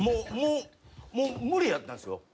もうもう無理やったんすよ。